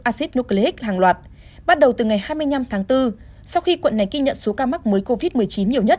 acid nucleic hàng loạt bắt đầu từ ngày hai mươi năm tháng bốn sau khi quận này ghi nhận số ca mắc mới covid một mươi chín nhiều nhất